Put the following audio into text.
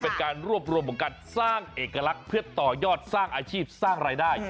เป็นการรวบรวมของการสร้างเอกลักษณ์เพื่อต่อยอดสร้างอาชีพสร้างรายได้